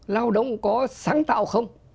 lao động có sáng tạo không